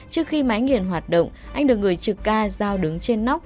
trước khi máy nghiền hoạt động anh được người trực ca giao đứng trên nóc